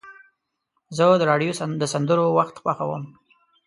زه د راډیو د سندرو وخت خوښوم.